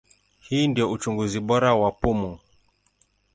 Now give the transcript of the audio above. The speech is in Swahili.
Hii ndio uchunguzi bora wa pumu.